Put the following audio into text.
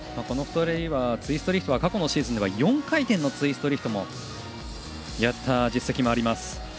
この２人はツイストリフトは過去のシーズン４回転のツイストリフトもやった実績もあります。